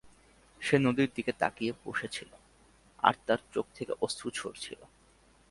সে নদীর দিকে তাকিয়ে বসে ছিল, আর তার চোখ থেকে অশ্রু ঝরছিল।